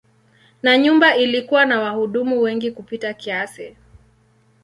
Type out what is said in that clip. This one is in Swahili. Na nyumba ilikuwa na wahudumu wengi kupita kiasi.